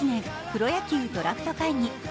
プロ野球ドラフト会議。